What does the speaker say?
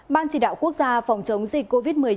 ban chỉ đạo quốc gia phòng chống dịch covid một mươi chín